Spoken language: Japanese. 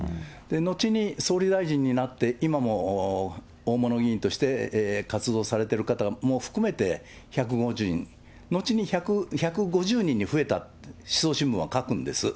後に総理大臣になって、今も大物議員として活動されてる方も含めて１５０人、後に１５０人に増えた、思想新聞は書くんです。